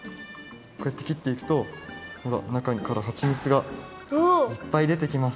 こうやってきっていくとほら中からはちみつがいっぱいでてきます。